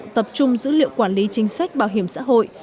tập trung dữ liệu quản lý chính sách bảo hiểm xã hội